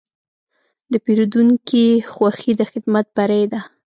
د پیرودونکي خوښي د خدمت بری دی.